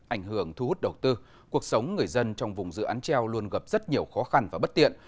ảnh hưởng thu hút đầu tư cuộc sống người dân trong vùng dự án treo luôn gặp rất nhiều khó khăn và bất tiện